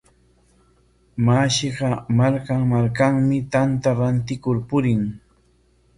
Mashiqa markan markanmi tanta rantikur purin.